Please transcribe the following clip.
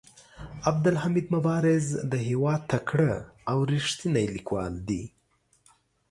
عبدالحمید مبارز د هيواد تکړه او ريښتيني ليکوال دي.